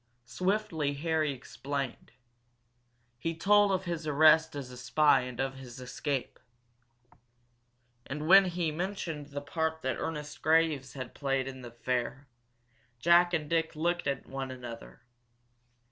Swiftly Harry explained. He told of his arrest as a spy and of his escape. And when he mentioned the part that Ernest Graves had played in the affair, Jack and Dick looked at one another.